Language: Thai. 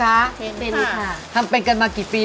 ลองผ้าก็ได้ค่ะเอี๋ยอเเอี๋ยะอ๋อ